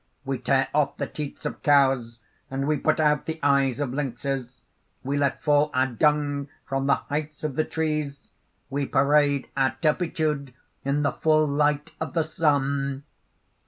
"We tear off the teats of cows; and we put out the eyes of lynxes: we let fall our dung from the heights of the trees we parade our turpitude in the full light of the sun.